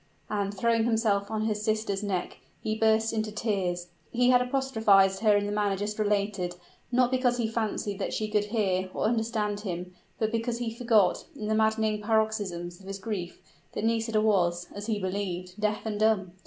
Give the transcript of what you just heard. And, throwing himself on his sister's neck, he burst into tears. He had apostrophized her in the manner just related, not because he fancied that she could hear or understand him; but because he forgot, in the maddening paroxysms of his grief, that Nisida was (as he believed) deaf and dumb!